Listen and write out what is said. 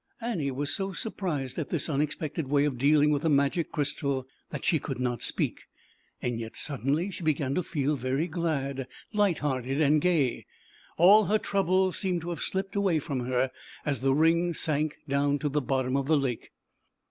Annie was so surprised at this unex pected way of dealing with the Magic Crystal, that she could not speak, yet suddenly she began to feel very glad, light hearted and gay. All her troubles seemed to have slipped away from her, as the ring sank down to the bottom of Ithe lake.